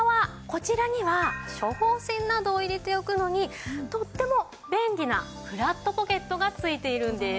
こちらには処方せんなどを入れておくのにとっても便利なフラットポケットが付いているんです。